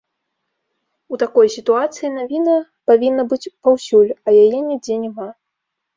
У такой сітуацыі навіна павінна быць паўсюль, а яе нідзе няма.